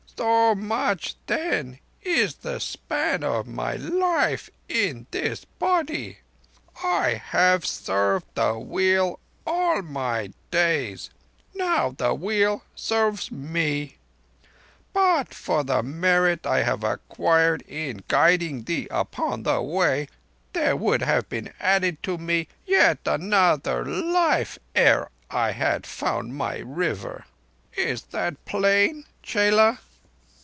"So much, then, is the span of my life in this body. I have served the Wheel all my days. Now the Wheel serves me. But for the merit I have acquired in guiding thee upon the Way, there would have been added to me yet another life ere I had found my River. Is it plain, _chela?